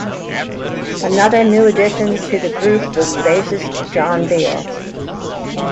Another new addition to the group was bassist John Beal.